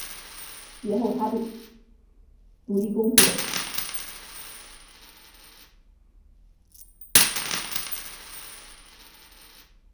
以后他就开始独立工作。